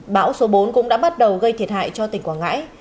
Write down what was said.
bão số bốn cũng đã bắt đầu gây thiệt hại cho tỉnh quảng ngãi